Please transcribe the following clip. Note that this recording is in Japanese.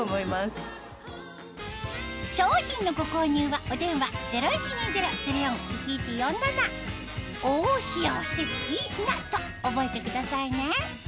商品のご購入はお電話０１２０−０４−１１４７と覚えてくださいね